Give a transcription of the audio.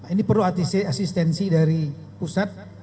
ini perlu asistensi dari pusat